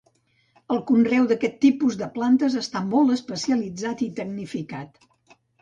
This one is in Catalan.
El conreu d'aquest tipus de plantes està molt especialitzat i tecnificat.